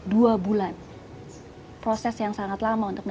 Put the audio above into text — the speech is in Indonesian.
saya usah air lebih besar dari air originum